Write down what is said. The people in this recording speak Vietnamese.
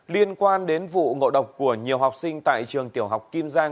liên quan đến vụ ngộ độc của nhiều học sinh tại trường tiểu học kim giang